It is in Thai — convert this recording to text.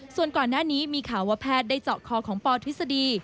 ส่วนก่อนหน้านี้มีข่าวว่าแพทย์ได้เจาะคอของปทฤษฎี